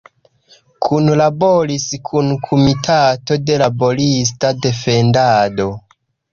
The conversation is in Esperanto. Kunlaboris kun Komitato de Laborista Defendado.